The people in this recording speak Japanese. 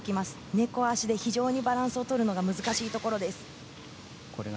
猫足で非常にバランスをとるのが難しいところです。